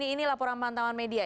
ini laporan pantauan media